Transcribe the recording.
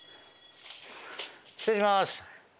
失礼します。